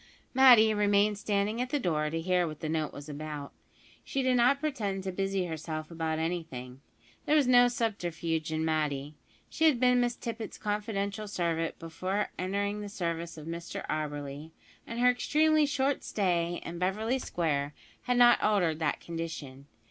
Matty remained standing at the door to hear what the note was about. She did not pretend to busy herself about anything. There was no subterfuge in Matty. She had been Miss Tippet's confidential servant before entering the service of Mr Auberly, and her extremely short stay in Beverly Square had not altered that condition.